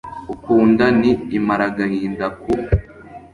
ukunda, ni imaragahinda ku